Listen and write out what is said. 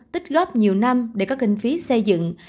tích góp nhiều năm để có kinh phí xây dựng